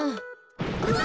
うわ！